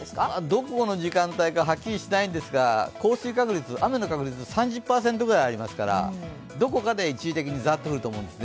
どこの時間帯かはっきりしないんですが、降水確率、雨の確率３０％ぐらいありますからどこかで一時的にざーっと降ると思います。